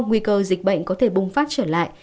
nguy cơ dịch bệnh có thể bùng phát trở lại